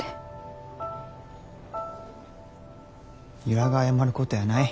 由良が謝ることやない。